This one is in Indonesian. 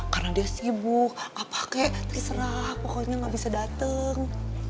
karena dia sibuk nggak pake terserah pokoknya nggak bisa datang